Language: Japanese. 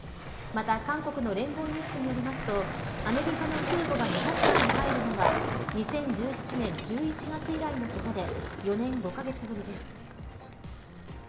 また、韓国の聯合ニュースによりますとアメリカの空母が日本海に入るのは２０１７年１１月以来のことで４年５カ月ぶりです。